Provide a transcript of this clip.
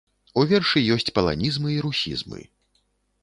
У вершы ёсць паланізмы і русізмы.